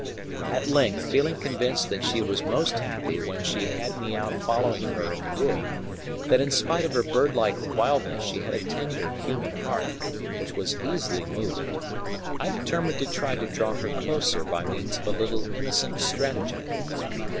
At length, feeling convinced that she was most happy when she had me out following her in the wood, that in spite of her bird like wildness she had a tender, human heart, which was easily moved, I determined to try to draw her closer by means of a little innocent stratagem.